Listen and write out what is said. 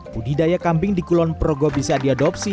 budidaya kambing di kulon progo bisa diadopsi